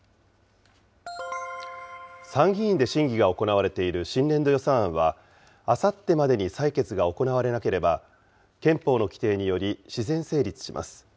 参議院で審議が行われている新年度予算案は、あさってまでに採決が行われなければ、憲法の規定により、自然成立します。